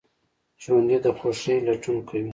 ژوندي د خوښۍ لټون کوي